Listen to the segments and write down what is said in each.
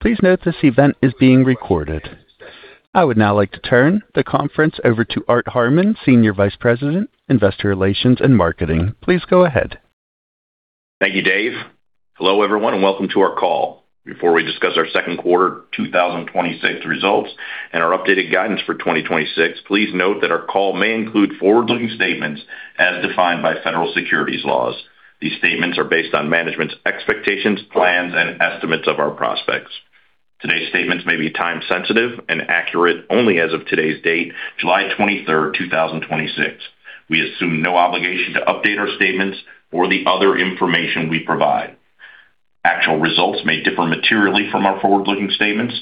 Please note this event is being recorded. I would now like to turn the conference over to Art Harmon, Senior Vice President, Investor Relations and Marketing. Please go ahead. Thank you, Dave. Hello, everyone, and welcome to our call. Before we discuss our second quarter 2026 results and our updated guidance for 2026, please note that our call may include forward-looking statements as defined by federal securities laws. These statements are based on management's expectations, plans, and estimates of our prospects. Today's statements may be time sensitive and accurate only as of today's date, July 23rd, 2026. We assume no obligation to update our statements or the other information we provide. Actual results may differ materially from our forward-looking statements.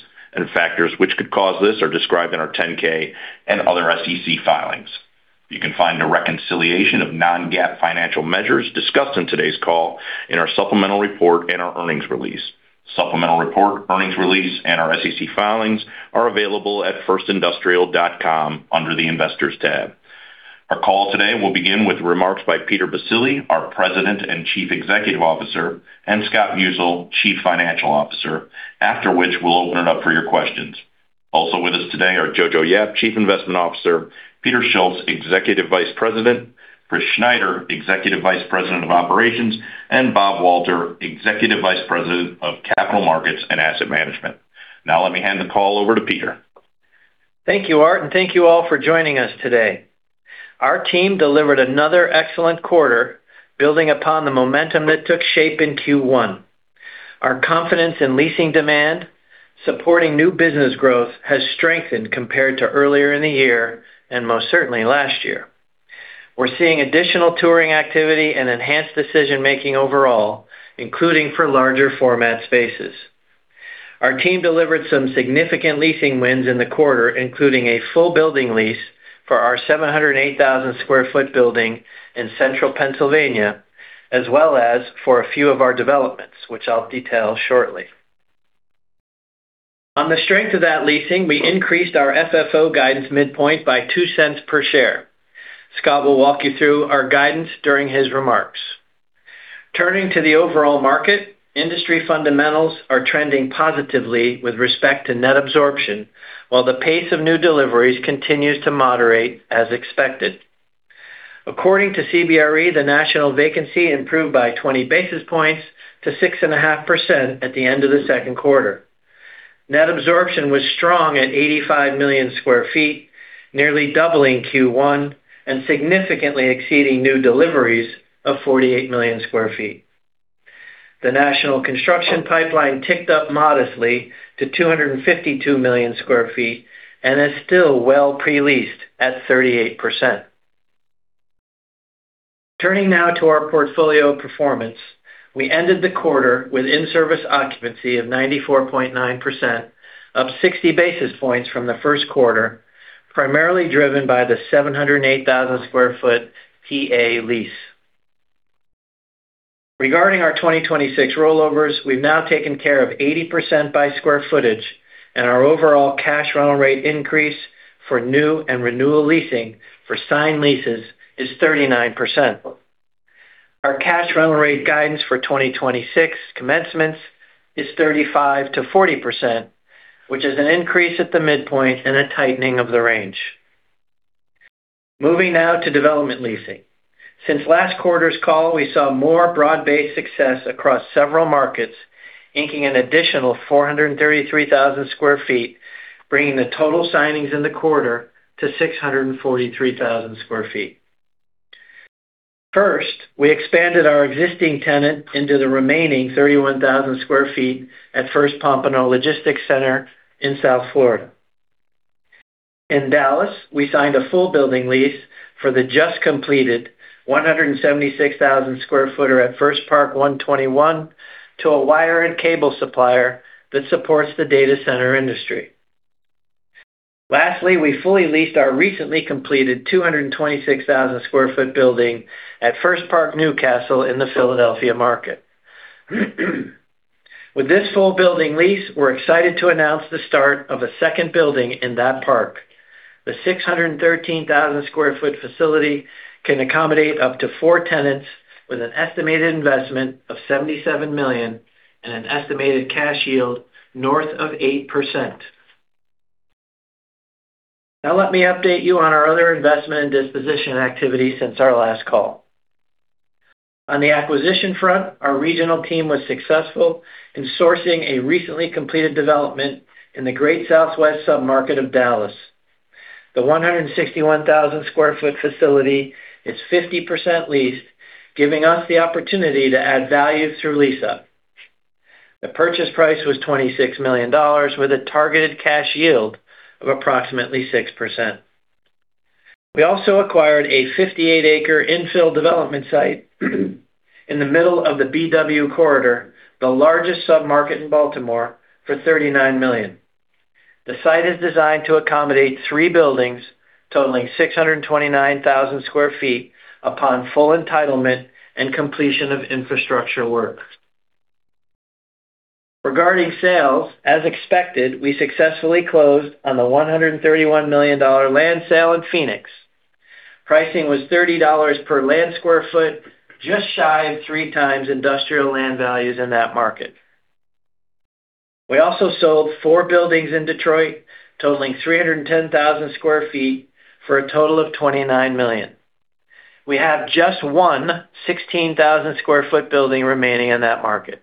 Factors which could cause this are described in our 10-K and other SEC filings. You can find a reconciliation of non-GAAP financial measures discussed in today's call in our supplemental report and our earnings release. Supplemental report, earnings release, and our SEC filings are available at firstindustrial.com under the Investors tab. Our call today will begin with remarks by Peter Baccile, our President and Chief Executive Officer, and Scott Musil, Chief Financial Officer, after which we'll open it up for your questions. Also with us today are Jojo Yap, Chief Investment Officer, Peter Schultz, Executive Vice President, Chris Schneider, Executive Vice President of Operations, and Robert Walter, Executive Vice President of Capital Markets and Asset Management. Let me hand the call over to Peter. Thank you, Art. Thank you all for joining us today. Our team delivered another excellent quarter, building upon the momentum that took shape in Q1. Our confidence in leasing demand, supporting new business growth has strengthened compared to earlier in the year and most certainly last year. We're seeing additional touring activity and enhanced decision making overall, including for larger format spaces. Our team delivered some significant leasing wins in the quarter, including a full building lease for our 708,000 sq ft building in Central Pennsylvania, as well as for a few of our developments, which I'll detail shortly. On the strength of that leasing, we increased our FFO guidance midpoint by $0.02 per share. Scott will walk you through our guidance during his remarks. Turning to the overall market, industry fundamentals are trending positively with respect to net absorption, while the pace of new deliveries continues to moderate as expected. According to CBRE, the national vacancy improved by 20 basis points to 6.5% at the end of the second quarter. Net absorption was strong at 85 million square feet, nearly doubling Q1, and significantly exceeding new deliveries of 48 million square feet. The national construction pipeline ticked up modestly to 252 million square feet and is still well pre-leased at 38%. Turning now to our portfolio performance. We ended the quarter with in-service occupancy of 94.9%, up 60 basis points from the first quarter, primarily driven by the 708,000 sq ft PA lease. Regarding our 2026 rollovers, we've now taken care of 80% by square footage, and our overall cash rental rate increase for new and renewal leasing for signed leases is 39%. Our cash rental rate guidance for 2026 commencements is 35%-40%, which is an increase at the midpoint and a tightening of the range. Moving now to development leasing. Since last quarter's call, we saw more broad-based success across several markets, inking an additional 433,000 sq ft, bringing the total signings in the quarter to 643,000 sq ft. First, we expanded our existing tenant into the remaining 31,000 sq ft at First Pompano Logistics Center in South Florida. In Dallas, we signed a full building lease for the just completed 176,000 sq ft at First Park 121 to a wire and cable supplier that supports the data center industry. Lastly, we fully leased our recently completed 226,000 sq ft building at First Park New Castle in the Philadelphia market. With this full building lease, we're excited to announce the start of a second building in that park. The 613,000 sq ft facility can accommodate up to four tenants with an estimated investment of $77 million and an estimated cash yield north of 8%. Now let me update you on our other investment and disposition activity since our last call. On the acquisition front, our regional team was successful in sourcing a recently completed development in the Great Southwest sub-market of Dallas. The 161,000 sq ft facility is 50% leased, giving us the opportunity to add value through lease up. The purchase price was $26 million with a targeted cash yield of approximately 6%. We also acquired a 58-acre infill development site in the middle of the BW corridor, the largest sub-market in Baltimore, for $39 million. The site is designed to accommodate three buildings totaling 629,000 sq ft upon full entitlement and completion of infrastructure work. Regarding sales, as expected, we successfully closed on the $131 million land sale in Phoenix. Pricing was $30 per land square foot, just shy of three times industrial land values in that market. We also sold four buildings in Detroit, totaling 310,000 sq ft for a total of $29 million. We have just one 16,000 sq ft building remaining in that market.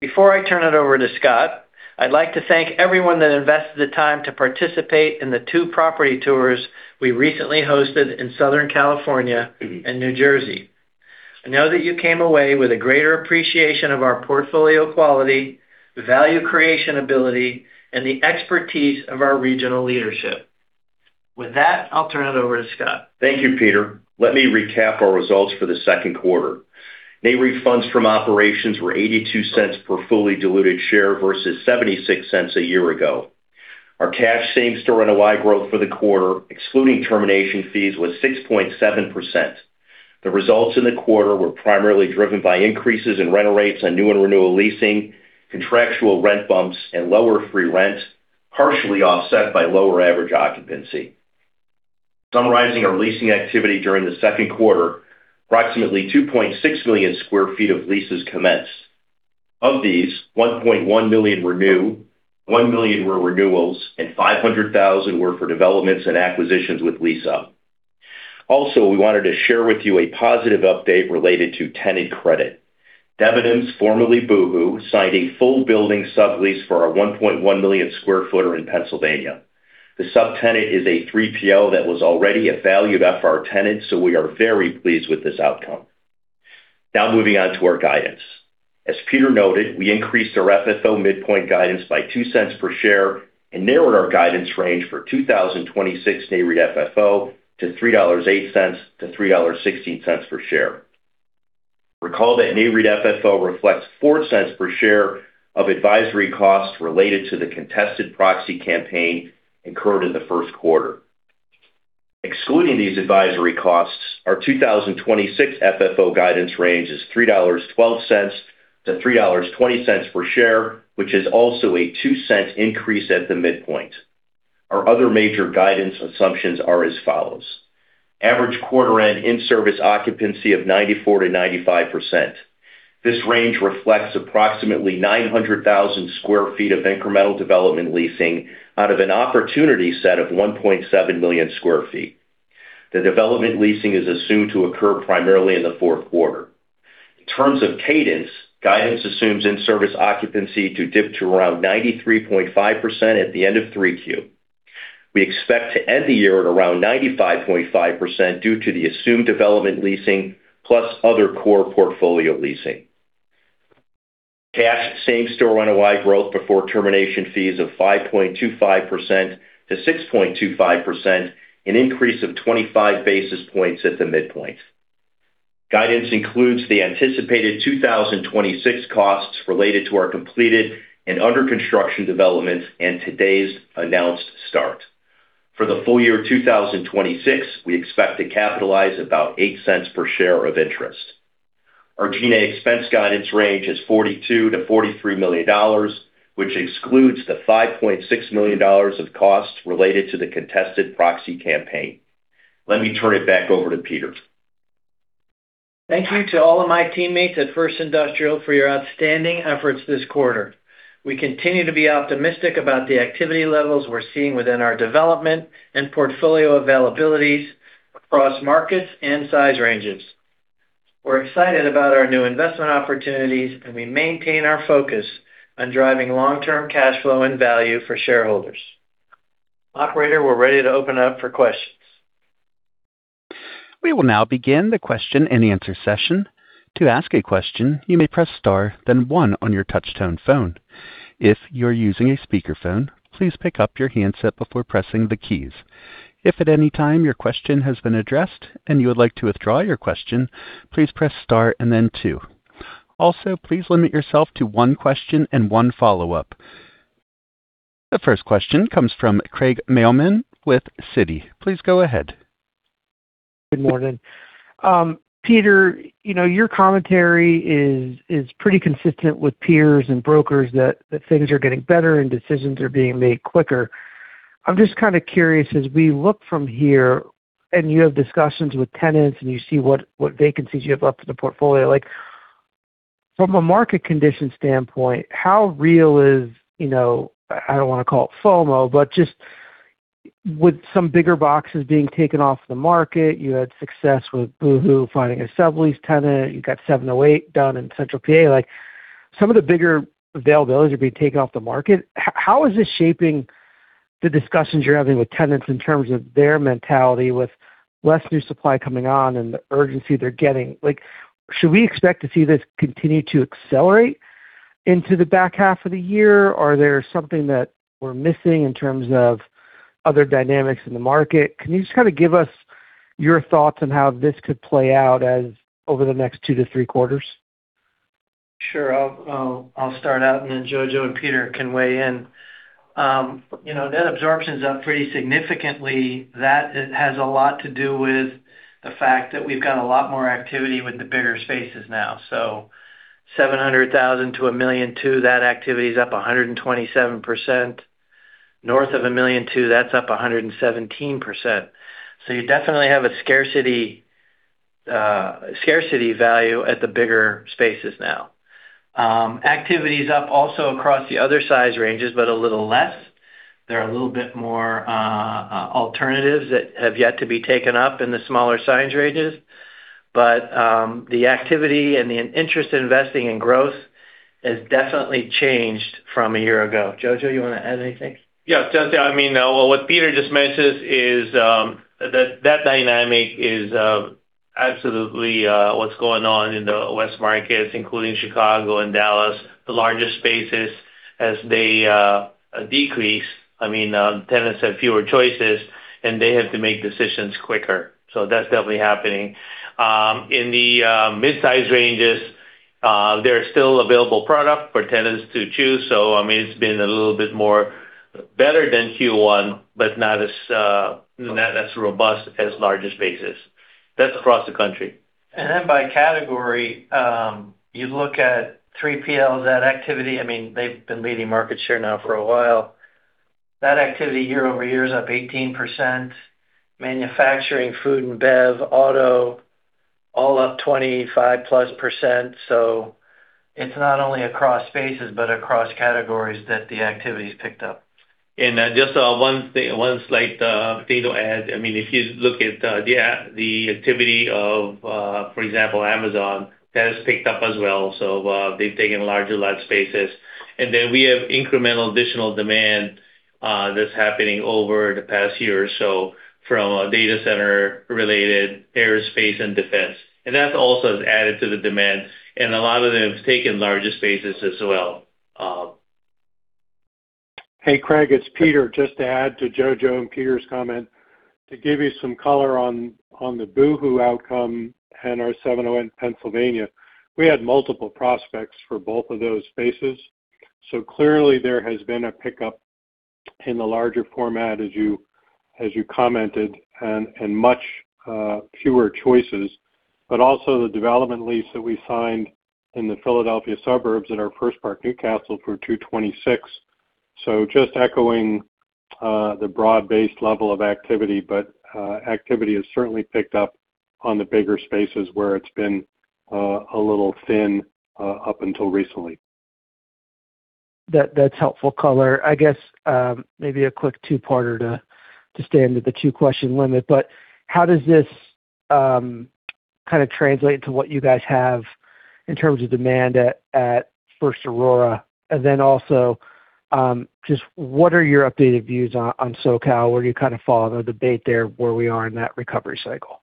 Before I turn it over to Scott, I'd like to thank everyone that invested the time to participate in the two property tours we recently hosted in Southern California and New Jersey. I know that you came away with a greater appreciation of our portfolio quality, value creation ability, and the expertise of our regional leadership. With that, I'll turn it over to Scott. Thank you, Peter. Let me recap our results for the second quarter. Nareit funds from operations were $0.82 per fully diluted share versus $0.76 a year ago. Our cash same store NOI growth for the quarter, excluding termination fees, was 6.7%. The results in the quarter were primarily driven by increases in rental rates on new and renewal leasing, contractual rent bumps, and lower free rent, partially offset by lower average occupancy. Summarizing our leasing activity during the second quarter, approximately 2.6 million square feet of leases commenced. Of these, 1.1 million square feet were new, 1 million square feet were renewals, and 500,000 sq ft were for developments and acquisitions with lease up. Also, we wanted to share with you a positive update related to tenant credit. Debenhams, formerly Boohoo, signed a full building sublease for our 1.1 million square feet in Pennsylvania. The subtenant is a 3PL that was already a valued FR tenant. We are very pleased with this outcome. Moving on to our guidance. As Peter noted, we increased our FFO midpoint guidance by $0.02 per share and narrowed our guidance range for 2026 Nareit FFO to $3.08-$3.16 per share. Recall that Nareit FFO reflects $0.04 per share of advisory costs related to the contested proxy campaign incurred in the first quarter. Excluding these advisory costs, our 2026 FFO guidance range is $3.12-$3.20 per share, which is also a $0.02 increase at the midpoint. Our other major guidance assumptions are as follows. Average quarter end in-service occupancy of 94%-95%. This range reflects approximately 900,000 sq ft of incremental development leasing out of an opportunity set of 1.7 million square feet. The development leasing is assumed to occur primarily in the fourth quarter. In terms of cadence, guidance assumes in-service occupancy to dip to around 93.5% at the end of 3Q. We expect to end the year at around 95.5% due to the assumed development leasing plus other core portfolio leasing. Cash same store NOI growth before termination fees of 5.25%-6.25%, an increase of 25 basis points at the midpoint. Guidance includes the anticipated 2026 costs related to our completed and under construction developments and today's announced start. For the full year 2026, we expect to capitalize about $0.08 per share of interest. Our G&A expense guidance range is $42 million-$43 million, which excludes the $5.6 million of costs related to the contested proxy campaign. Let me turn it back over to Peter. Thank you to all of my teammates at First Industrial for your outstanding efforts this quarter. We continue to be optimistic about the activity levels we are seeing within our development and portfolio availabilities across markets and size ranges. We are excited about our new investment opportunities. We maintain our focus on driving long-term cash flow and value for shareholders. Operator, we are ready to open up for questions. We will now begin the question-and-answer session. To ask a question, you may press star, then one on your touchtone phone. If you're using a speakerphone, please pick up your handset before pressing the keys. If at any time your question has been addressed and you would like to withdraw your question, please press star and then two. Also, please limit yourself to one question and one follow-up. The first question comes from Craig Mailman with Citi. Please go ahead. Good morning. Peter, your commentary is pretty consistent with peers and brokers that things are getting better and decisions are being made quicker. I'm just kind of curious, as we look from here, and you have discussions with tenants, and you see what vacancies you have left in the portfolio. From a market condition standpoint, how real is, I don't want to call it FOMO, but just with some bigger boxes being taken off the market, you had success with Boohoo finding a sublease tenant. You got 708 down in central P.A. Some of the bigger availabilities are being taken off the market. How is this shaping the discussions you're having with tenants in terms of their mentality with less new supply coming on and the urgency they're getting? Should we expect to see this continue to accelerate into the back half of the year? There's something that we're missing in terms of other dynamics in the market? Can you just kind of give us your thoughts on how this could play out over the next two to three quarters? Sure. I'll start out, and then Jojo and Peter can weigh in. Net absorption's up pretty significantly. That has a lot to do with the fact that we've got a lot more activity with the bigger spaces now. 700,000 sq ft-200,000 sq ft, that activity is up 127%. North of 1,200,000 sq ft, that's up 117%. You definitely have a scarcity value at the bigger spaces now. Activity's up also across the other size ranges, but a little less. There are a little bit more alternatives that have yet to be taken up in the smaller size ranges. The activity and the interest in investing in growth has definitely changed from a year ago. Jojo, you want to add anything? Yes. What Peter just mentioned is that dynamic is absolutely what's going on in the West markets, including Chicago and Dallas. The largest spaces as they decrease, tenants have fewer choices and they have to make decisions quicker. That's definitely happening. In the mid-size ranges, there are still available product for tenants to choose, so it's been a little bit more better than Q1. But not as robust as largest basis. That's across the country. By category, you look at 3PL, that activity, they've been leading market share now for a while. That activity year-over-year is up 18%. Manufacturing, food and bev, auto, all up 25%+. It's not only across spaces but across categories that the activity's picked up. Just one slight thing to add. If you look at the activity of, for example, Amazon, that has picked up as well. They've taken larger lot spaces. We have incremental additional demand that's happening over the past year or so from a data center related aerospace and defense. That also has added to the demand, and a lot of them have taken larger spaces as well. Hey, Craig, it's Peter. Just to add to Jojo and Peter's comment, to give you some color on the Boohoo outcome and our 70/30 Pennsylvania. We had multiple prospects for both of those spaces. Clearly there has been a pickup in the larger format as you commented, and much fewer choices. Also the development lease that we signed in the Philadelphia suburbs at our First Park New Castle for 226. Just echoing the broad-based level of activity, but activity has certainly picked up on the bigger spaces where it's been a little thin up until recently. That's helpful color. I guess, maybe a quick two-parter to stay under the two-question limit. How does this kind of translate into what you guys have in terms of demand at First Aurora? Also, just what are your updated views on Southern California? Where do you kind of fall on the debate there, where we are in that recovery cycle?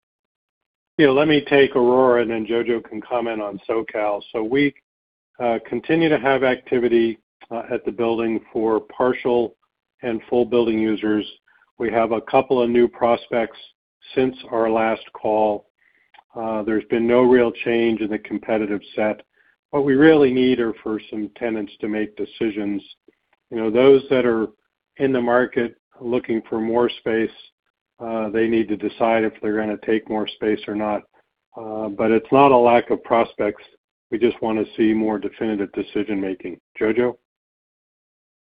Let me take Aurora and then Jojo can comment on Southern California. We continue to have activity at the building for partial and full building users. We have a couple of new prospects since our last call. There's been no real change in the competitive set. What we really need are for some tenants to make decisions. Those that are in the market looking for more space, they need to decide if they're going to take more space or not. It's not a lack of prospects. We just want to see more definitive decision-making. Jojo?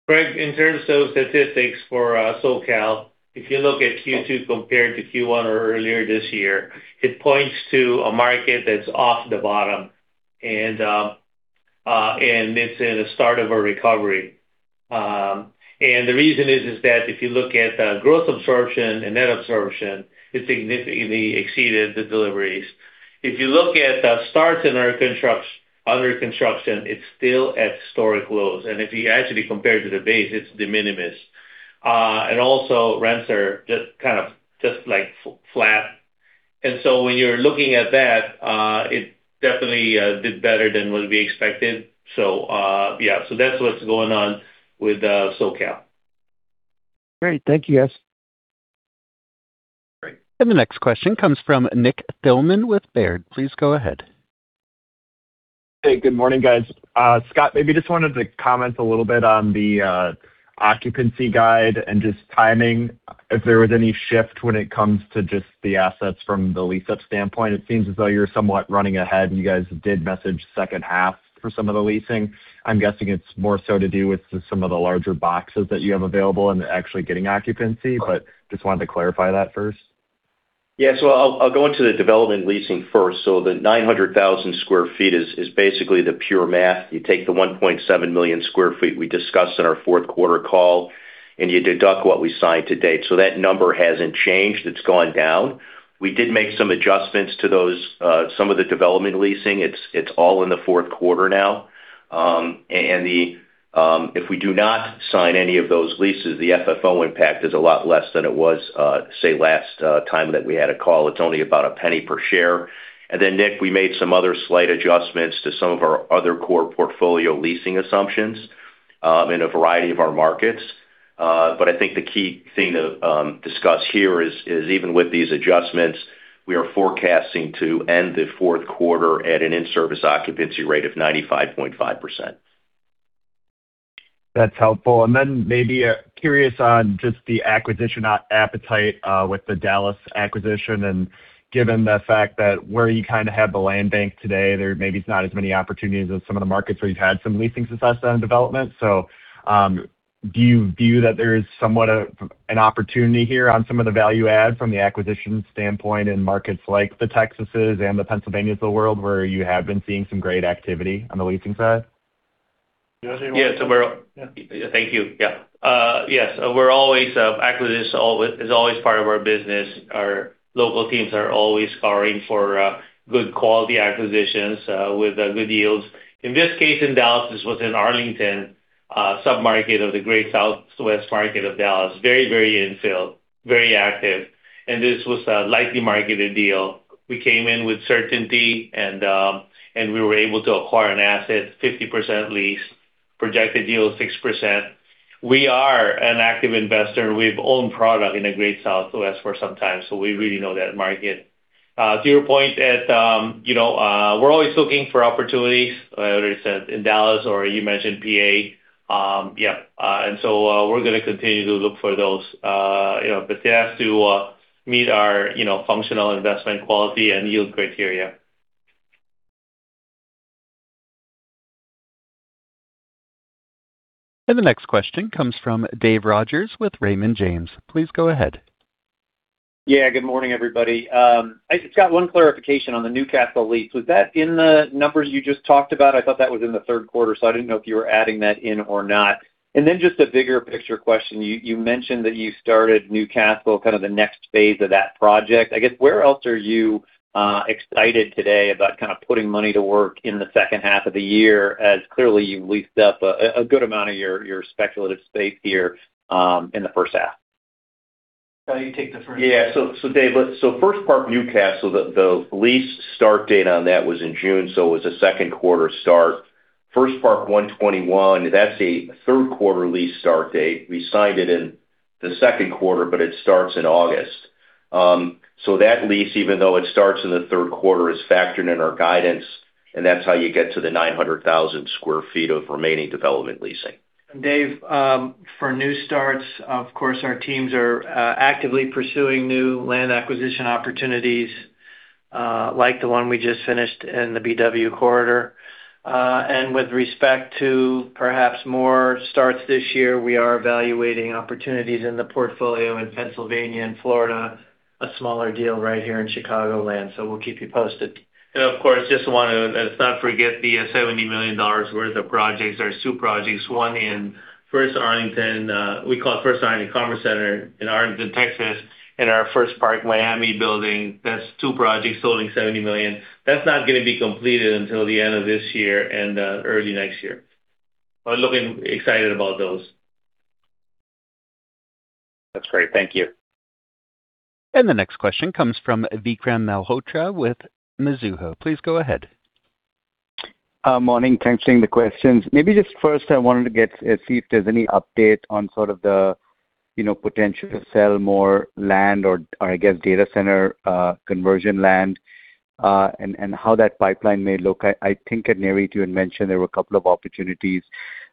Craig, in terms of statistics for Southern California, if you look at Q2 compared to Q1 or earlier this year, it points to a market that's off the bottom and it's in the start of a recovery. The reason is that if you look at growth absorption and net absorption, it significantly exceeded the deliveries. If you look at starts in our other construction, it's still at historic lows. If you actually compare to the base, it's de minimis. Also rents are just kind of flat. When you're looking at that, it definitely did better than what we expected. Yeah. That's what's going on with Southern California. Great. Thank you, guys. Great. The next question comes from Nick Thillman with Baird. Please go ahead. Hey, good morning, guys. Scott, maybe just wanted to comment a little bit on the occupancy guide and just timing, if there was any shift when it comes to just the assets from the lease-up standpoint. It seems as though you're somewhat running ahead, and you guys did message second half for some of the leasing. I'm guessing it's more so to do with some of the larger boxes that you have available and actually getting occupancy, but just wanted to clarify that first. I'll go into the development leasing first. The 900,000 sq ft is basically the pure math. You take the 1.7 million square feet we discussed in our fourth quarter call, you deduct what we signed to date. That number hasn't changed. It's gone down. We did make some adjustments to some of the development leasing. It's all in the fourth quarter now. If we do not sign any of those leases, the FFO impact is a lot less than it was, say last time that we had a call. It's only about $0.01 per share. Nick, we made some other slight adjustments to some of our other core portfolio leasing assumptions in a variety of our markets. I think the key thing to discuss here is even with these adjustments, we are forecasting to end the fourth quarter at an in-service occupancy rate of 95.5%. That's helpful. Maybe curious on just the acquisition appetite with the Dallas acquisition, given the fact that where you have the land bank today, there maybe is not as many opportunities as some of the markets where you've had some leasing success on development. Do you view that there is somewhat of an opportunity here on some of the value add from the acquisition standpoint in markets like the Texases and the Pennsylvanias of the world, where you have been seeing some great activity on the leasing side? Yes. Thank you. Yes. Acquisition is always part of our business. Our local teams are always scouring for good quality acquisitions, with good yields. In this case, in Dallas, this was in Arlington, submarket of the Great Southwest market of Dallas. Very infill, very active. This was a lightly marketed deal. We came in with certainty, we were able to acquire an asset, 50% leased, projected yield of 6%. We are an active investor. We've owned product in the Great Southwest for some time, so we really know that market. To your point that we're always looking for opportunities, I already said in Dallas or you mentioned PA. We're going to continue to look for those. They have to meet our functional investment quality and yield criteria. The next question comes from Dave Rodgers with Raymond James. Please go ahead. Yeah, good morning, everybody. I just got one clarification on the New Castle lease. Was that in the numbers you just talked about? I thought that was in the third quarter, so I didn't know if you were adding that in or not. Then just a bigger picture question. You mentioned that you started New Castle, kind of the next phase of that project. I guess, where else are you excited today about putting money to work in the second half of the year, as clearly you've leased up a good amount of your speculative space here in the first half? Scott, you take the first. Yeah. Dave, so first part, New Castle, the lease start date on that was in June, so it was a second quarter start. First Park 121, that's a third quarter lease start date. We signed it in the second quarter, but it starts in August. That lease, even though it starts in the third quarter, is factored in our guidance, and that's how you get to the 900,000 sq ft of remaining development leasing. Dave, for new starts, of course, our teams are actively pursuing new land acquisition opportunities, like the one we just finished in the BW corridor. With respect to perhaps more starts this year, we are evaluating opportunities in the portfolio in Pennsylvania and Florida. A smaller deal right here in Chicagoland. We'll keep you posted. Of course, just want to let's not forget the $70 million worth of projects. There are two projects. One in First Arlington. We call it First Arlington Commerce Center in Arlington, Texas, and our First Park Miami building. That's two projects totaling $70 million. That's not going to be completed until the end of this year and early next year. Looking excited about those. That's great. Thank you. The next question comes from Vikram Malhotra with Mizuho. Please go ahead. Morning. Thanks for taking the questions. Maybe just first I wanted to see if there's any update on sort of the potential to sell more land or, I guess, data center conversion land, and how that pipeline may look. I think at Nareit, you had mentioned there were a couple of opportunities.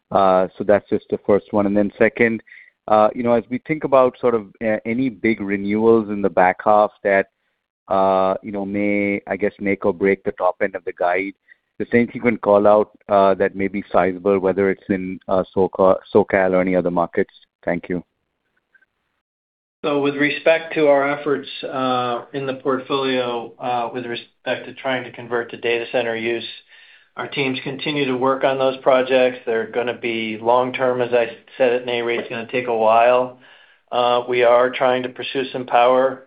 That's just the first one. Second, as we think about sort of any big renewals in the back half that may, I guess, make or break the top end of the guide, the same thing you can call out that may be sizable, whether it's in Southern California or any other markets. Thank you. With respect to our efforts in the portfolio, with respect to trying to convert to data center use, our teams continue to work on those projects. They're going to be long-term, as I said at Nareit. It's going to take a while. We are trying to pursue some power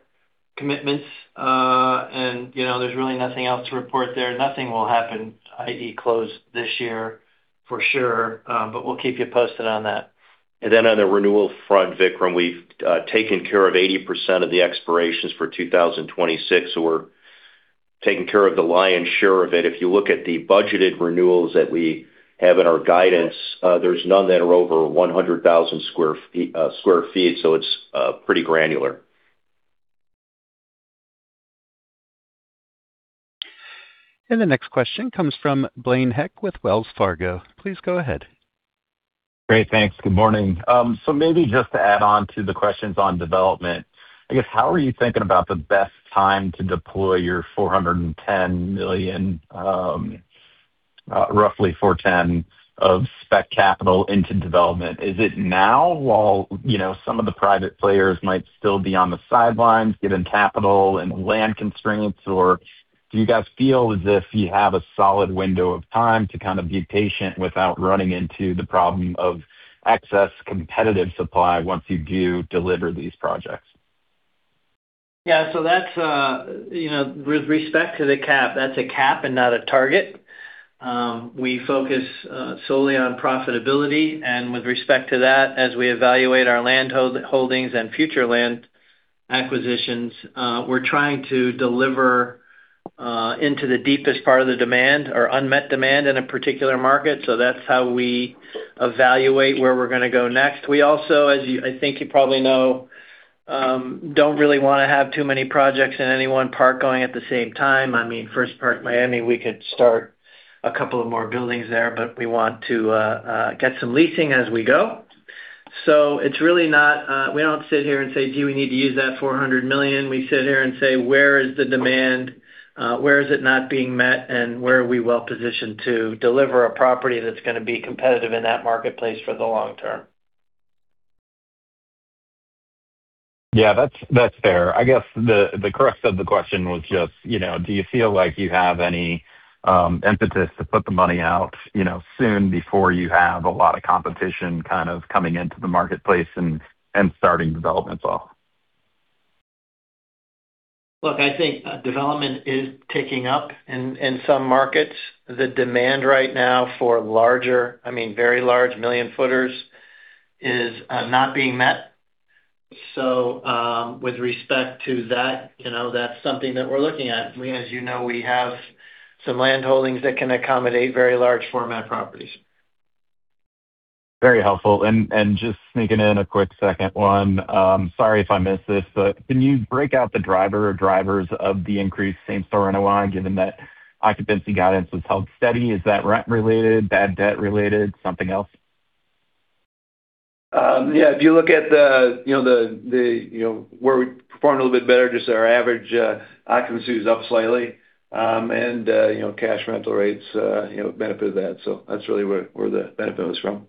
commitments. There's really nothing else to report there. Nothing will happen, i.e. close this year for sure. We'll keep you posted on that. On the renewal front, Vikram, we've taken care of 80% of the expirations for 2026. We're taking care of the lion's share of it. If you look at the budgeted renewals that we have in our guidance, there's none that are over 100,000 sq ft. It's pretty granular. The next question comes from Blaine Heck with Wells Fargo. Please go ahead. Great. Thanks. Good morning. Maybe just to add on to the questions on development. I guess, how are you thinking about the best time to deploy your $410 million, roughly $410 million of spec capital into development? Is it now while some of the private players might still be on the sidelines given capital and land constraints, or do you guys feel as if you have a solid window of time to kind of be patient without running into the problem of excess competitive supply once you do deliver these projects? Yeah. That's with respect to the cap. That's a cap and not a target. We focus solely on profitability, and with respect to that, as we evaluate our land holdings and future land acquisitions, we're trying to deliver into the deepest part of the demand or unmet demand in a particular market. That's how we evaluate where we're going to go next. We also, as I think you probably know, don't really want to have too many projects in any one park going at the same time. First Park Miami, we could start a couple of more buildings there, but we want to get some leasing as we go. We don't sit here and say, "Do we need to use that $400 million?" We sit here and say, "Where is the demand? Where is it not being met, where are we well-positioned to deliver a property that's going to be competitive in that marketplace for the long term?" Yeah. That's fair. I guess the crux of the question was just, do you feel like you have any impetus to put the money out soon before you have a lot of competition coming into the marketplace and starting developments off? Look, I think development is ticking up in some markets. The demand right now for very large million footers is not being met. With respect to that's something that we're looking at. As you know, we have some land holdings that can accommodate very large format properties. Very helpful. Just sneaking in a quick second one. Sorry if I missed this, can you break out the driver or drivers of the increased same-store NOI given that occupancy guidance was held steady? Is that rent related, bad debt related, something else? Yeah. If you look at where we performed a little bit better, just our average occupancy is up slightly. Cash rental rates benefit that's really where the benefit was from.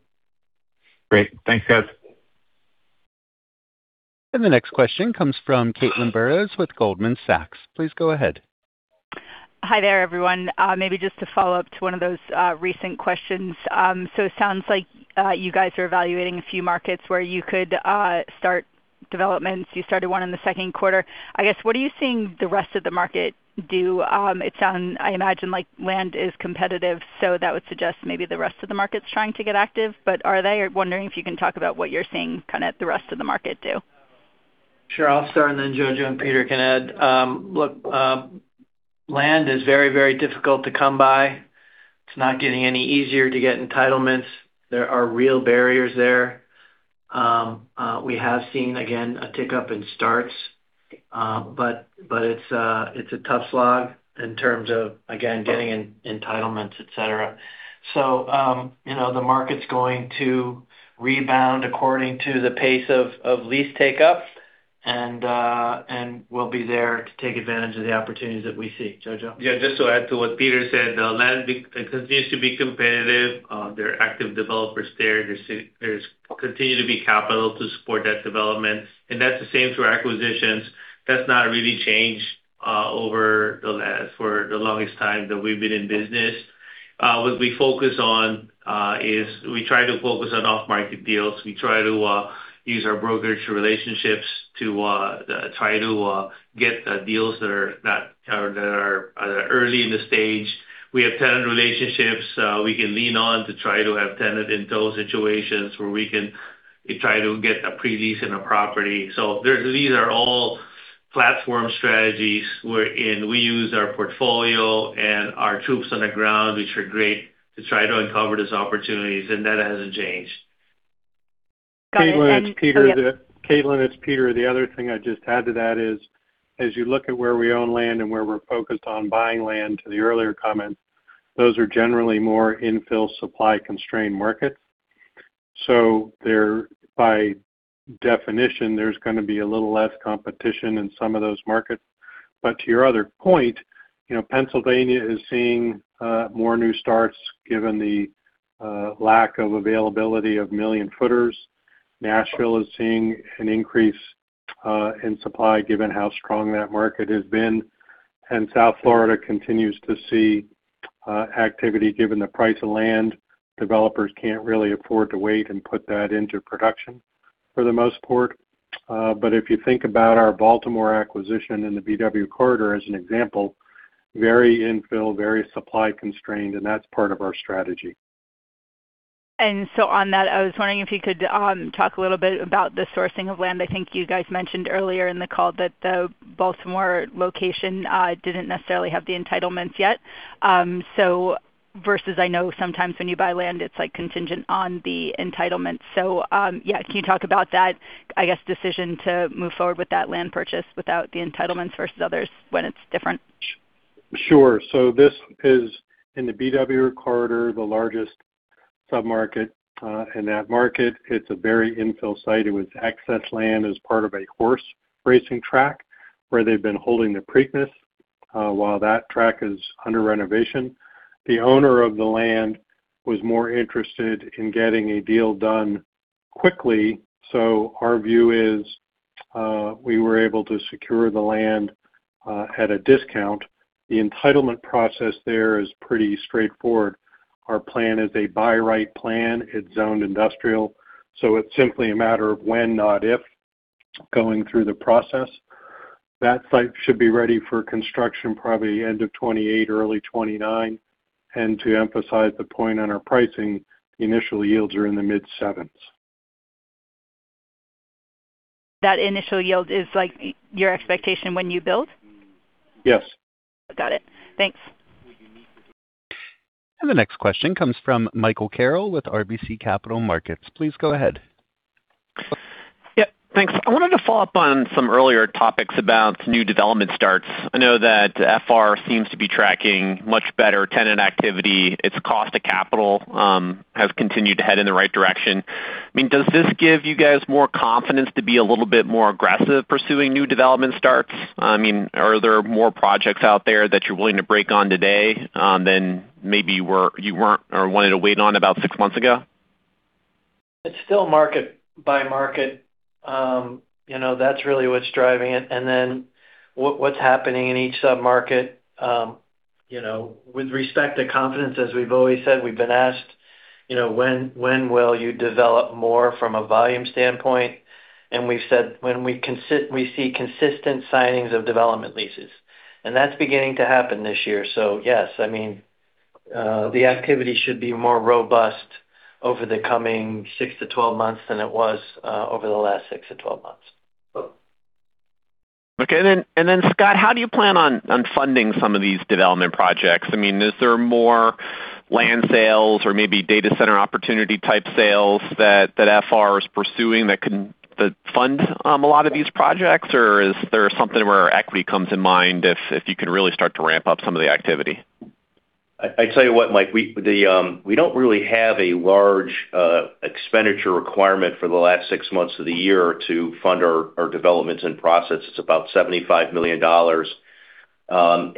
Great. Thanks, guys. The next question comes from Caitlin Burrows with Goldman Sachs. Please go ahead. Hi there, everyone. Maybe just to follow up to one of those recent questions. It sounds like you guys are evaluating a few markets where you could start developments. You started one in the second quarter. I guess, what are you seeing the rest of the market do? It sounds, I imagine, like land is competitive, so that would suggest maybe the rest of the market's trying to get active, but are they? I'm wondering if you can talk about what you're seeing the rest of the market do. Sure. I'll start, then Jojo and Peter can add. Look, land is very difficult to come by. It's not getting any easier to get entitlements. There are real barriers there. We have seen, again, a tick up in starts. It's a tough slog in terms of, again, getting entitlements, et cetera. The market's going to rebound according to the pace of lease take-up, and we'll be there to take advantage of the opportunities that we see. Jojo. Yeah, just to add to what Peter said, land continues to be competitive. There are active developers there. There's continue to be capital to support that development, and that's the same through acquisitions. That's not really changed over the last, for the longest time that we've been in business. What we focus on is we try to focus on off-market deals. We try to use our brokerage relationships to try to get deals that are early in the stage. We have tenant relationships we can lean on to try to have tenant intel situations where we can try to get a pre-lease in a property. These are all platform strategies wherein we use our portfolio and our troops on the ground, which are great to try to uncover those opportunities, and that hasn't changed. Got it. Caitlin, it's Peter. The other thing I'd just add to that is, as you look at where we own land and where we're focused on buying land to the earlier comment, those are generally more infill supply-constrained markets. By definition, there's going to be a little less competition in some of those markets. To your other point, Pennsylvania is seeing more new starts given the lack of availability of million footers. Nashville is seeing an increase in supply given how strong that market has been. South Florida continues to see activity given the price of land. Developers can't really afford to wait and put that into production for the most part. If you think about our Baltimore acquisition in the BW corridor as an example, very infill, very supply constrained, and that's part of our strategy. On that, I was wondering if you could talk a little bit about the sourcing of land. I think you guys mentioned earlier in the call that the Baltimore location didn't necessarily have the entitlements yet. Versus I know sometimes when you buy land, it's contingent on the entitlement. Yeah, can you talk about that, I guess, decision to move forward with that land purchase without the entitlements versus others when it's different? Sure. This is in the BW corridor, the largest sub-market in that market. It's a very infill site. It was excess land as part of a horse racing track where they've been holding the Preakness while that track is under renovation. The owner of the land was more interested in getting a deal done quickly. Our view is we were able to secure the land at a discount. The entitlement process there is pretty straightforward. Our plan is a buy right plan. It's zoned industrial, so it's simply a matter of when, not if, going through the process. That site should be ready for construction probably end of 2028, early 2029. To emphasize the point on our pricing, initial yields are in the mid 7%. That initial yield is your expectation when you build? Yes. Got it. Thanks. The next question comes from Michael Carroll with RBC Capital Markets. Please go ahead. Yeah, thanks. I wanted to follow up on some earlier topics about new development starts. I know that FR seems to be tracking much better tenant activity. Its cost to capital has continued to head in the right direction. Does this give you guys more confidence to be a little bit more aggressive pursuing new development starts? Are there more projects out there that you're willing to break on today than maybe you weren't, or wanted to wait on about six months ago? It's still market by market. That's really what's driving it. What's happening in each sub-market. With respect to confidence, as we've always said, we've been asked, "When will you develop more from a volume standpoint?" We've said, "When we see consistent signings of development leases." That's beginning to happen this year. Yes, the activity should be more robust over the coming 6-12 months than it was over the last 6-12 months. Okay. Scott, how do you plan on funding some of these development projects? Is there more land sales or maybe data center opportunity type sales that FR is pursuing that fund a lot of these projects? Is there something where equity comes in mind if you can really start to ramp up some of the activity? I tell you what, Mike, we don't really have a large expenditure requirement for the last six months of the year to fund our developments and process. It's about $75 million. Half of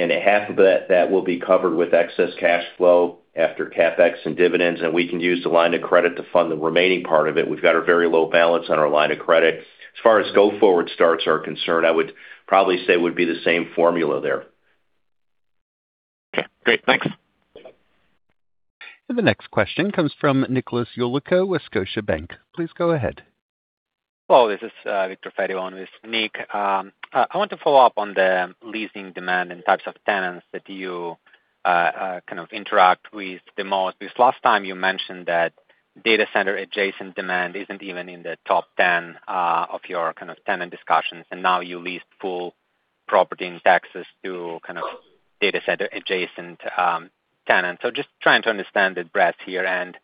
that will be covered with excess cash flow after CapEx and dividends. We can use the line of credit to fund the remaining part of it. We've got a very low balance on our line of credit. As far as go-forward starts are concerned, I would probably say it would be the same formula there. Okay, great. Thanks. The next question comes from Nicholas Yulico with Scotiabank. Please go ahead. Hello, this is Viktor Fediv on with Nick. I want to follow up on the leasing demand and types of tenants that you interact with the most, because last time you mentioned that data center adjacent demand isn't even in the top 10 of your tenant discussions, and now you lease full property in Texas to data center adjacent tenants. Just trying to understand the breadth here and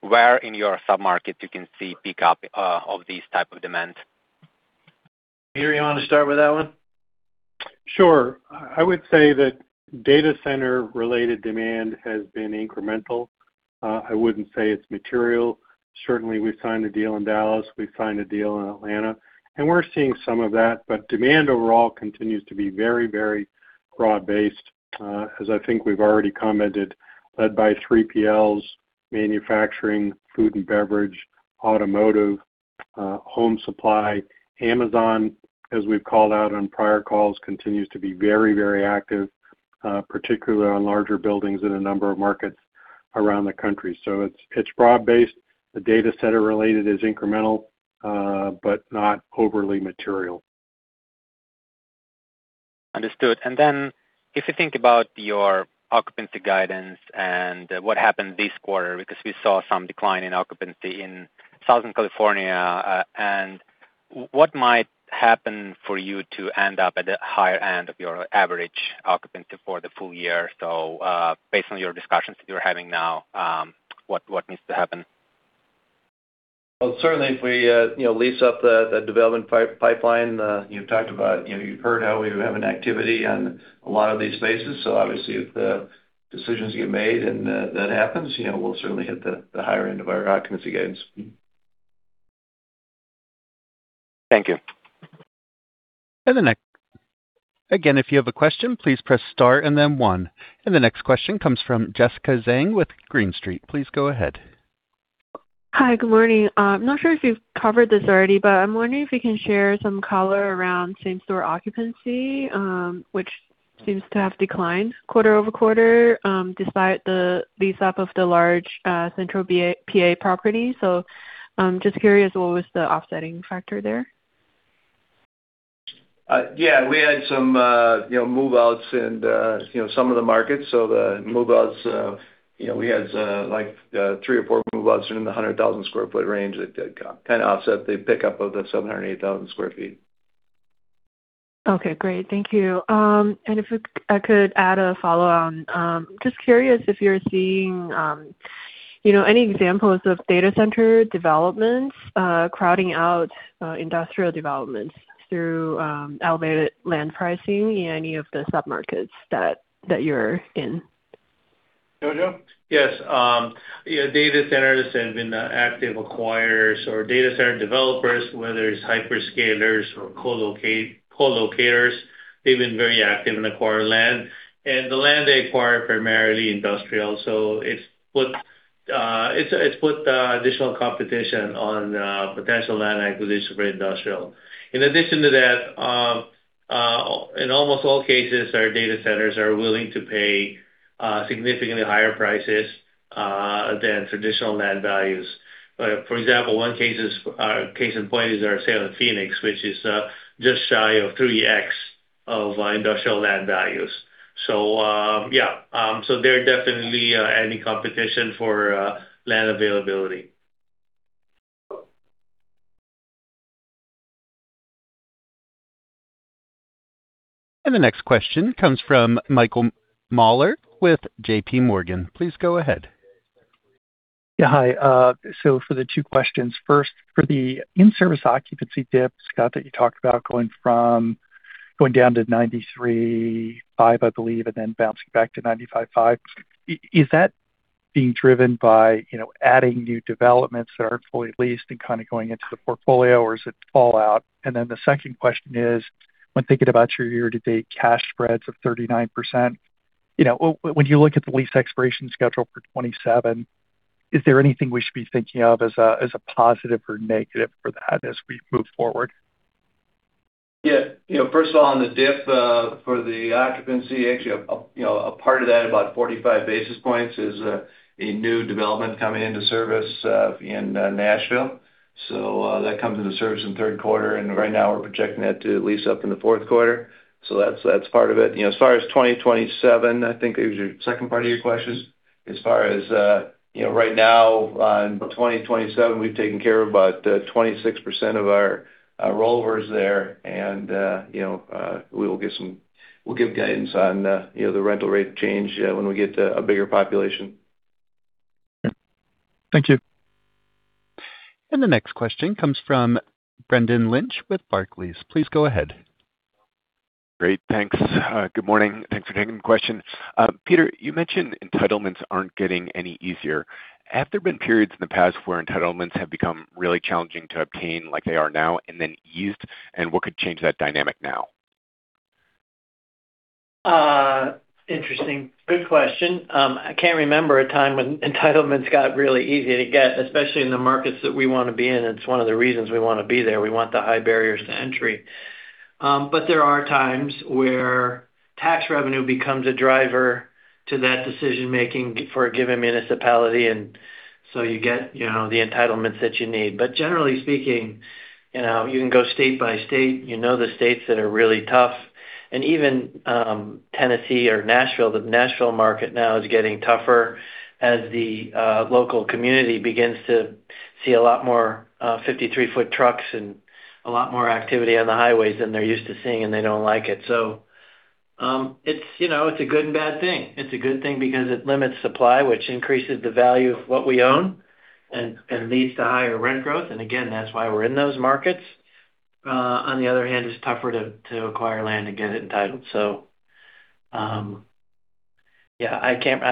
where in your sub-market you can see pick-up of these type of demands. Peter, you want to start with that one? Sure. I would say that data center related demand has been incremental. I wouldn't say it's material. Certainly, we've signed a deal in Dallas, we've signed a deal in Atlanta, and we're seeing some of that, but demand overall continues to be very broad-based, as I think we've already commented, led by 3PLs, manufacturing, food and beverage, automotive, home supply. Amazon, as we've called out on prior calls, continues to be very active, particularly on larger buildings in a number of markets around the country. It's broad-based. The data center related is incremental, but not overly material. Understood. If you think about your occupancy guidance and what happened this quarter, because we saw some decline in occupancy in Southern California, what might happen for you to end up at the higher end of your average occupancy for the full year? Based on your discussions that you're having now, what needs to happen? Well, certainly if we lease up the development pipeline. You've heard how we have an activity on a lot of these spaces, obviously if the decisions get made and that happens, we'll certainly hit the higher end of our occupancy gains. Thank you. The next. Again, if you have a question, please press star and then one. The next question comes from Jessica Zheng with Green Street. Please go ahead. Hi. Good morning. I'm not sure if you've covered this already, but I'm wondering if you can share some color around same-store occupancy, which seems to have declined quarter-over-quarter, despite the lease up of the large central P.A. property. I'm just curious, what was the offsetting factor there? We had some move-outs in some of the markets. The move-outs, we had three or four move-outs in the 100,000 sq ft range that did kind of offset the pick-up of the 708,000 sq ft. Okay, great. Thank you. If I could add a follow-on. Just curious if you're seeing any examples of data center developments crowding out industrial developments through elevated land pricing in any of the sub-markets that you're in. Jojo? Yes. Data centers have been active acquirers or data center developers, whether it's hyperscalers or co-locators. They've been very active in acquiring land. The land they acquire primarily industrial. It's put additional competition on potential land acquisition for industrial. In addition to that, in almost all cases, our data centers are willing to pay significantly higher prices than traditional land values. For example, one case in point is our sale in Phoenix, which is just shy of 3x of industrial land values. They're definitely adding competition for land availability. The next question comes from Michael Mueller with JPMorgan. Please go ahead. Yeah. Hi. For the two questions, first, for the in-service occupancy dip, Scott, that you talked about going down to 93.5%, I believe, and then bouncing back to 95.5%. Is that being driven by adding new developments that are fully leased and kind of going into the portfolio or is it fallout? The second question is, when thinking about your year-to-date cash spreads of 39%, when you look at the lease expiration schedule for 2027, is there anything we should be thinking of as a positive or negative for that as we move forward? Yeah. First of all, on the dip for the occupancy, actually, a part of that, about 45 basis points, is a new development coming into service in Nashville. That comes into service in the third quarter, and right now we're projecting that to lease up in the fourth quarter. That's part of it. As far as 2027, I think is your second part of your question. As far as right now, on 2027, we've taken care of about 26% of our rollovers there and we'll give guidance on the rental rate change when we get a bigger population. Thank you. The next question comes from Brendan Lynch with Barclays. Please go ahead. Great. Thanks. Good morning. Thanks for taking the question. Peter, you mentioned entitlements aren't getting any easier. Have there been periods in the past where entitlements have become really challenging to obtain like they are now and then eased, and what could change that dynamic now? Interesting. Good question. I can't remember a time when entitlements got really easy to get, especially in the markets that we want to be in. It's one of the reasons we want to be there. We want the high barriers to entry. There are times where tax revenue becomes a driver to that decision-making for a given municipality, and so you get the entitlements that you need. Generally speaking, you can go state by state, you know the states that are really tough, even Tennessee or Nashville, the Nashville market now is getting tougher as the local community begins to see a lot more 53 ft trucks and a lot more activity on the highways than they're used to seeing, and they don't like it. It's a good and bad thing. It's a good thing because it limits supply, which increases the value of what we own and leads to higher rent growth. Again, that's why we're in those markets. On the other hand, it's tougher to acquire land and get it entitled. Yeah. Again,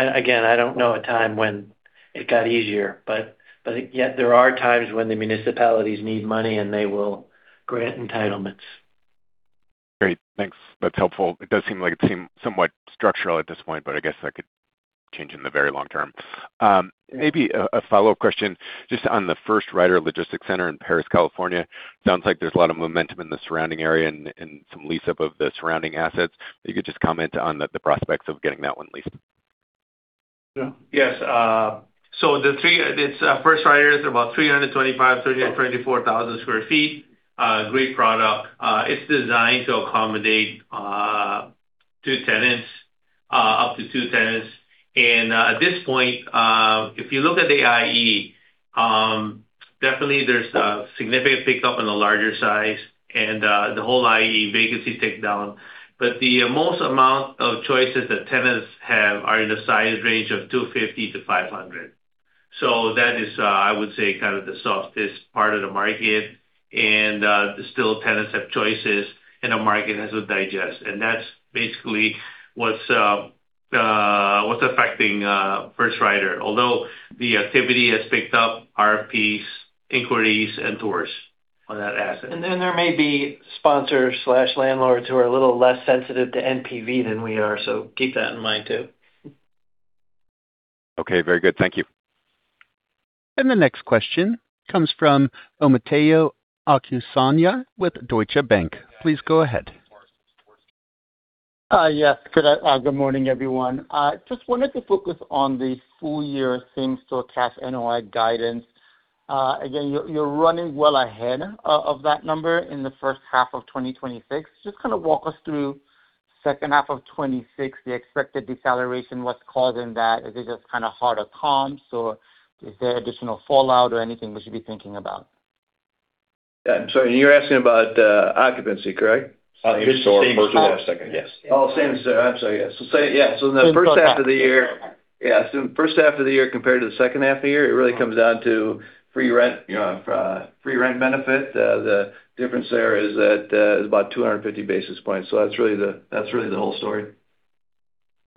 I don't know a time when it got easier, but yet there are times when the municipalities need money, and they will grant entitlements. Great. Thanks. That's helpful. It does seem like it's somewhat structural at this point, but I guess that could change in the very long term. Maybe a follow-up question just on the First Ryder Logistics Center in Perris, California. Sounds like there's a lot of momentum in the surrounding area and some lease up of the surrounding assets. If you could just comment on the prospects of getting that one leased. Yes. First Ryder is about 325,000 sq ft, 324,000 sq ft. Great product. It's designed to accommodate up to two tenants. At this point, if you look at the IE, definitely there's a significant pickup in the larger size and the whole IE vacancy tick down. But the most amount of choices that tenants have are in the size range of 250 to 500. That is, I would say, kind of the softest part of the market. Still tenants have choices, and the market has to digest. That's basically what's affecting First Ryder. Although the activity has picked up RFPs, inquiries, and tours on that asset. There may be sponsors/landlords who are a little less sensitive to NPV than we are, so keep that in mind too. Okay. Very good. Thank you. The next question comes from Omotayo Okusanya with Deutsche Bank. Please go ahead. Yes. Good morning, everyone. Just wanted to focus on the full year same store cash NOI guidance. Again, you're running well ahead of that number in the first half of 2026. Just kind of walk us through second half of 2026, the expected deceleration, what's causing that. Is it just kind of harder comps or is there additional fallout or anything we should be thinking about? Yeah. I'm sorry, and you're asking about occupancy, correct? Same store. First half, second. Yes. Oh, same store. I'm sorry. Yes. In the first half of the year compared to the second half of the year, it really comes down to free rent benefit. The difference there is about 250 basis points. That's really the whole story.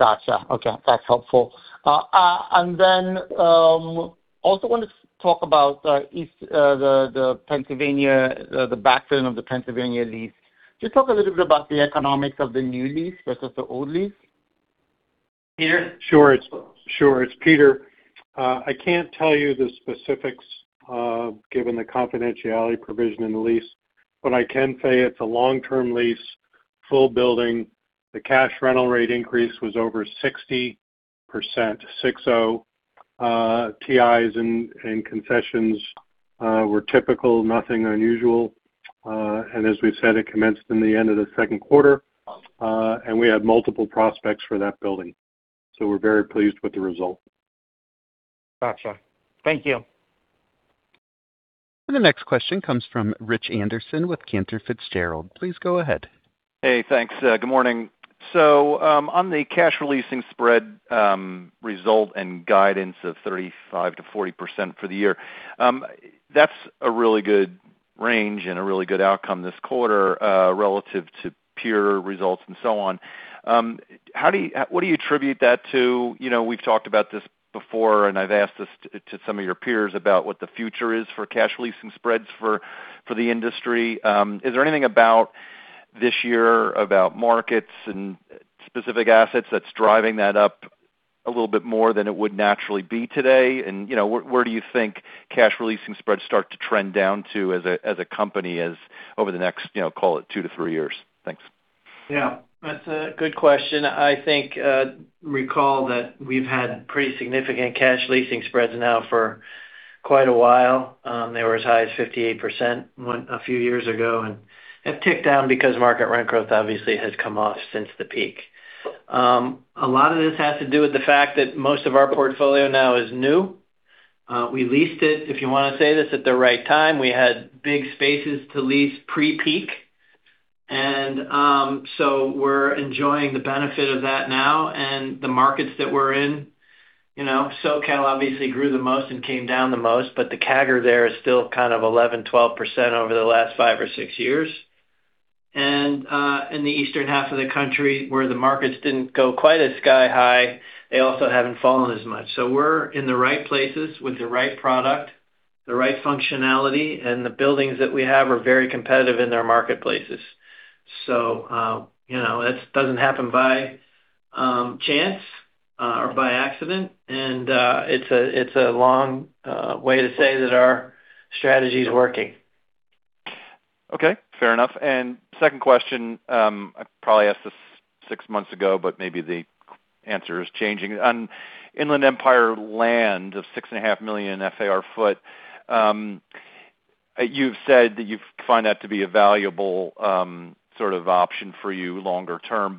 Got you. Okay. That's helpful. Also wanted to talk about the backfill of the Pennsylvania lease. Just talk a little bit about the economics of the new lease versus the old lease. Peter? Sure. It's Peter. I can't tell you the specifics given the confidentiality provision in the lease. What I can say, it's a long-term lease, full building. The cash rental rate increase was over 60%. TIs and concessions were typical, nothing unusual. As we've said, it commenced in the end of the second quarter. We have multiple prospects for that building. We're very pleased with the result. Got you. Thank you. The next question comes from Rich Anderson with Cantor Fitzgerald. Please go ahead. Hey, thanks. Good morning. On the cash leasing spread result and guidance of 35%-40% for the year, that's a really good range and a really good outcome this quarter, relative to peer results and so on. What do you attribute that to? We've talked about this before, and I've asked this to some of your peers about what the future is for cash leasing spreads for the industry. Is there anything about this year, about markets and specific assets that's driving that up a little bit more than it would naturally be today? Where do you think cash releasing spreads start to trend down to as a company over the next call it two to three years? Thanks. That's a good question. I think, recall that we've had pretty significant cash leasing spreads now for quite a while. They were as high as 58% a few years ago, and have ticked down because market rent growth obviously has come off since the peak. A lot of this has to do with the fact that most of our portfolio now is new. We leased it, if you want to say this, at the right time. We had big spaces to lease pre-peak, and so we're enjoying the benefit of that now. The markets that we're in, Southern California obviously grew the most and came down the most, but the CAGR there is still kind of 11%, 12% over the last five or six years. In the eastern half of the country where the markets didn't go quite as sky-high, they also haven't fallen as much. We're in the right places with the right product, the right functionality, and the buildings that we have are very competitive in their marketplaces. That doesn't happen by chance or by accident. It's a long way to say that our strategy's working. Okay, fair enough. Second question, I probably asked this six months ago, but maybe the answer is changing. On Inland Empire land of 6.5 million FAR square foot, you've said that you find that to be a valuable sort of option for you longer term.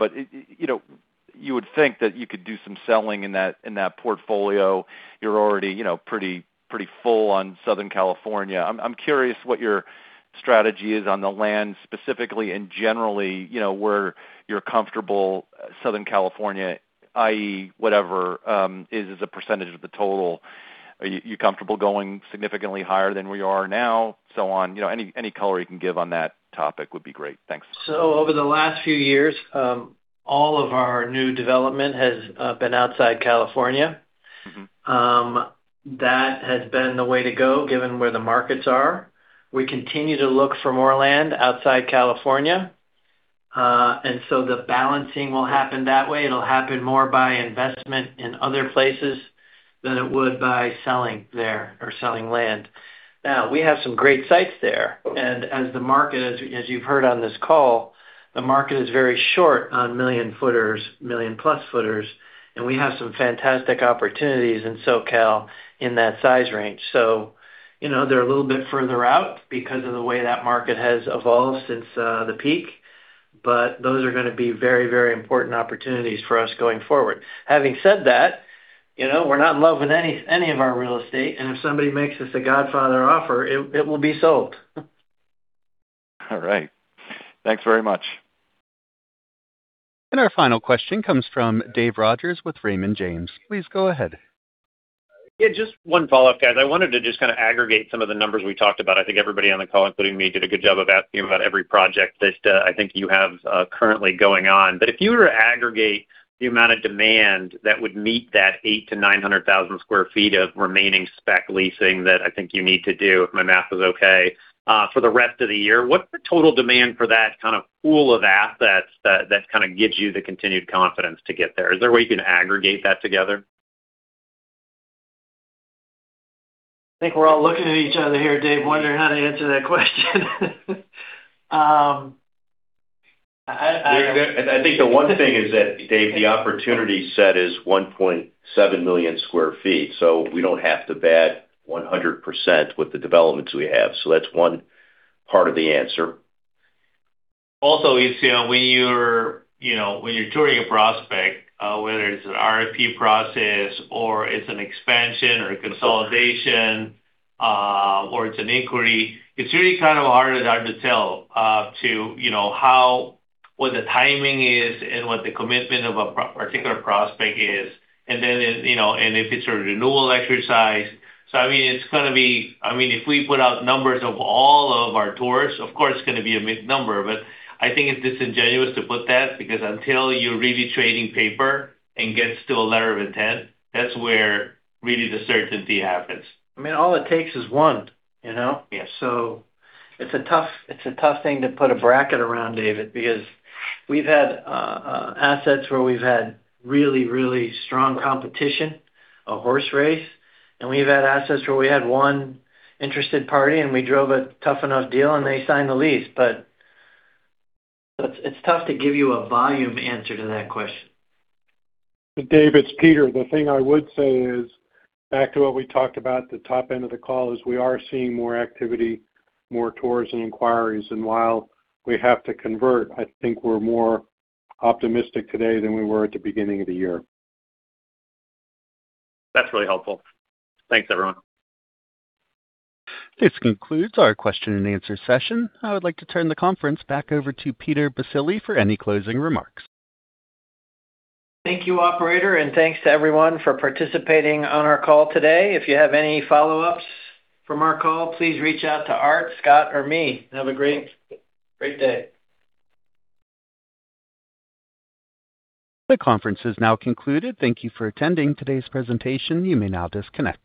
You would think that you could do some selling in that portfolio. You're already pretty full on Southern California. I'm curious what your strategy is on the land specifically and generally where you're comfortable Southern California, i.e., whatever, is as a percentage of the total. Are you comfortable going significantly higher than where you are now, so on? Any color you can give on that topic would be great. Thanks. Over the last few years, all of our new development has been outside California. That has been the way to go given where the markets are. We continue to look for more land outside California. The balancing will happen that way. It'll happen more by investment in other places than it would by selling there or selling land. Now, we have some great sites there, and as you've heard on this call, the market is very short on million footers, million-plus footers and we have some fantastic opportunities in Southern California in that size range. They're a little bit further out because of the way that market has evolved since the peak, but those are going to be very, very important opportunities for us going forward. Having said that, we're not in love with any of our real estate, and if somebody makes us a godfather offer, it will be sold. All right. Thanks very much. Our final question comes from Dave Rodgers with Raymond James. Please go ahead. Yeah, just one follow-up, guys. I wanted to just kind of aggregate some of the numbers we talked about. I think everybody on the call, including me, did a good job of asking about every project that I think you have currently going on. If you were to aggregate the amount of demand that would meet that 800,000 sq ft-900,000 sq ft of remaining spec leasing that I think you need to do, if my math is okay, for the rest of the year, what's the total demand for that kind of pool of assets that kind of gives you the continued confidence to get there? Is there a way you can aggregate that together? I think we're all looking at each other here, Dave, wondering how to answer that question. I think the one thing is that, Dave, the opportunity set is 1.7 million square feet. We don't have to bat 100% with the developments we have. That's one part of the answer. When you're touring a prospect, whether it's an RFP process or it's an expansion or a consolidation or it's an inquiry, it's really kind of hard to tell what the timing is and what the commitment of a particular prospect is. If it's a renewal exercise. If we put out numbers of all of our tours, of course, it's going to be a big number. I think it's disingenuous to put that because until you're really trading paper and get to a letter of intent, that's where really the certainty happens. All it takes is one. Yeah. It's a tough thing to put a bracket around, Dave, because we've had assets where we've had really strong competition, a horse race, and we've had assets where we had one interested party, and we drove a tough enough deal, and they signed the lease. It's tough to give you a volume answer to that question. Dave, it's Peter. The thing I would say is, back to what we talked about at the top end of the call, is we are seeing more activity, more tours and inquiries. While we have to convert, I think we're more optimistic today than we were at the beginning of the year. That's really helpful. Thanks, everyone. This concludes our question-and-answer session. I would like to turn the conference back over to Peter Baccile for any closing remarks. Thank you, operator, and thanks to everyone for participating on our call today. If you have any follow-ups from our call, please reach out to Art, Scott, or me. Have a great day. The conference is now concluded. Thank you for attending today's presentation. You may now disconnect.